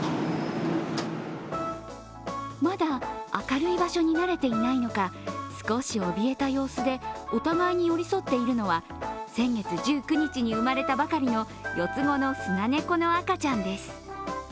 まだ明るい場所に慣れていないのか、少しおびえた様子でお互いに寄り添っているのは先月１９日に生まれたばかりの四つ子のスナネコの赤ちゃんです。